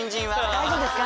「大丈夫ですか？」